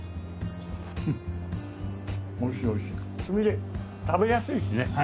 つみれ食べやすいですね。